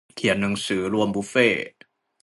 เขียนหนังสือรวมบุฟเฟต์